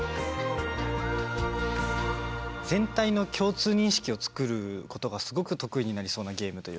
全体の共通認識を作ることがすごく得意になりそうなゲームというか。